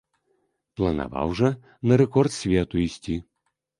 Планаваў жа на рэкорд свету ісці.